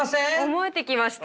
思えてきました。